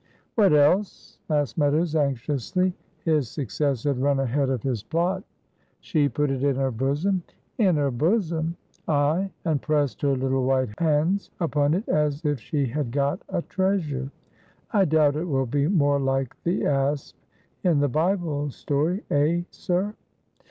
"What else?" asked Meadows anxiously his success had run ahead of his plot. "She put it in her bosom." "In her bosom?" "Ay! and pressed her little white hands upon it as if she had got a treasure. I doubt it will be more like the asp in the Bible story, eh! sir?"